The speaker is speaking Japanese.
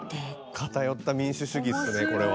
偏った民主主義っすねこれは。